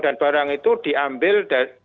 dan barang itu diambil